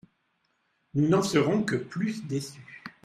Nous n'en serons que plus déçus.